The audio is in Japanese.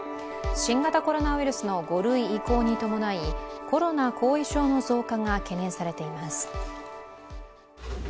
新型コロナウイルスの５類移行に伴いコロナ後遺症の増加が懸念されています。